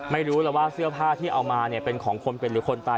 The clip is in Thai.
ไม่รู้แล้วว่าเสื้อผ้าที่เอามาเนี่ยเป็นของคนเป็นหรือคนตาย